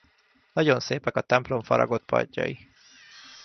Nagyon szépek a templom faragott padjai.